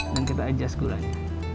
dan kita adjust gulanya